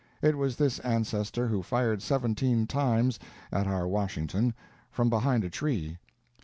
It was this ancestor who fired seventeen times at our Washington from behind a tree.